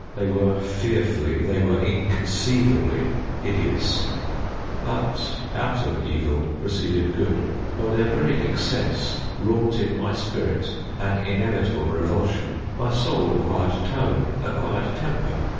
They were fearfully—they were inconceivably hideous; but out of Evil proceeded Good; for their very excess wrought in my spirit an inevitable revulsion. My soul acquired tone—acquired temper.